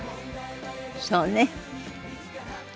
そうね。